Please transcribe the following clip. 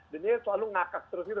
dan dia selalu ngakak terus gitu